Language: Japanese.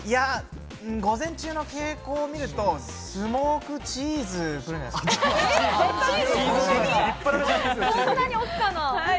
午前中の傾向を見ると、スモークチーズかな。